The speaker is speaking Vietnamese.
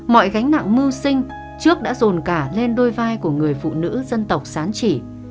mọi gánh nặng mưu sinh trước đã dồn cả lên đôi vai của người phụ nữ dân tộc sán chỉ